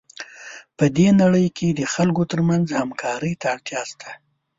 په دې نړۍ کې د خلکو ترمنځ همکارۍ ته اړتیا شته.